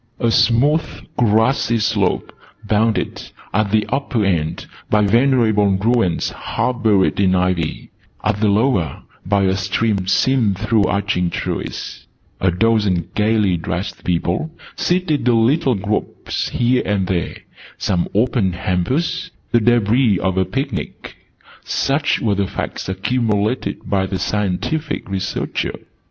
A smooth grassy slope, bounded, at the upper end, by venerable ruins half buried in ivy, at the lower, by a stream seen through arching trees a dozen gaily dressed people, seated in little groups here and there some open hampers the debris of a picnic such were the Facts accumulated by the Scientific Researcher.